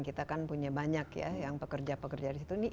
kita kan punya banyak ya yang pekerja pekerja di situ